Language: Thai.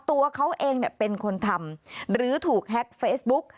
ตัวเขาเองเป็นคนทำหรือถูกแฮ็กเฟซบุ๊ก